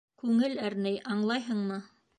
Күңел әрней, аңлайһыңмы?